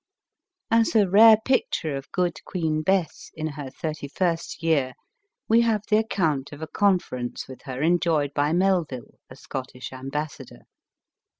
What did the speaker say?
As a rare picture of " good Queen Bess," in her thirty first year, we have the account of a conference with her enjoyed by Melville, a Scottish ambassador.